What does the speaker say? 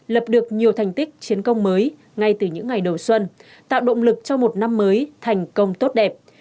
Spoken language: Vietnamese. lập được nhiều thành tích chiến công mới ngay từ những ngày đầu xuân tạo động lực cho một năm mới thành công tốt đẹp